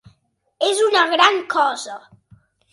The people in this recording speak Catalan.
És una gran cosa.